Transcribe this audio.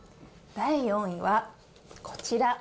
第４位は、こちら。